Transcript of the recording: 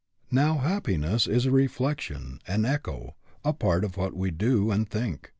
Now, happiness is a reflection, an echo, a part of what we do and think.